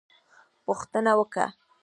_پوښتنه وکه!